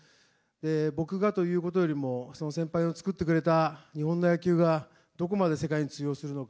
僕がということよりもその先輩を作ってくれた日本の野球がどこまで世界に通用するのか。